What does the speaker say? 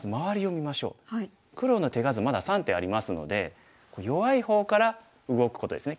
黒の手数まだ３手ありますので弱い方から動くことですね。